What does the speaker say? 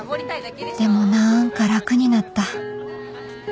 でもなんか楽になった